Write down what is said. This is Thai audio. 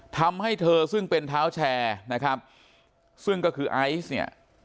ทำให้เธอซึ่งเป็นเท้าแชร์นะครับซึ่งก็คือไอซ์เนี่ย